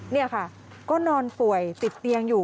นี่ค่ะก็นอนป่วยติดเตียงอยู่